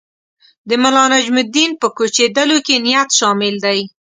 د ملانجم الدین په کوچېدلو کې نیت شامل دی.